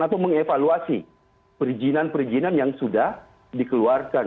atau mengevaluasi perizinan perizinan yang sudah dikeluarkan